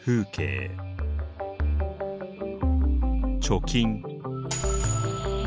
貯金。